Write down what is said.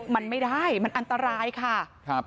มันไม่ได้มันอันตรายค่ะครับ